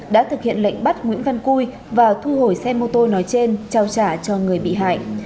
đã thực hiện lệnh bắt nguyễn văn cui và thu hồi xe mô tô nói trên trao trả cho người bị hại